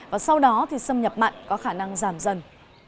và sau đó thì xâm nhập mặn có khả năng giảm dần